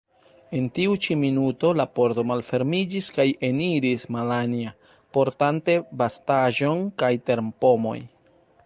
En tiu ĉi minuto la pordo malfermiĝis kaj eniris Malanja, portante bastaĵon kun terpomoj.